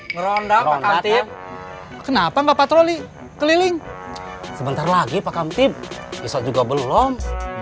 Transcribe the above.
ngerondong pak khamtib kenapa enggak patroli keliling sebentar lagi pak khamtib besok juga belum